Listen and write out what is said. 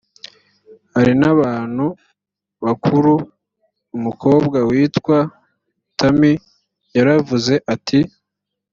hari n abantu bakuru umukobwa witwa tammy yaravuze ati